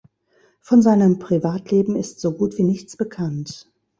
Von seinem Privatleben ist so gut wie nichts bekannt.